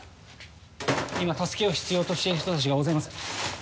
今助けを必要としている人たちが大勢います。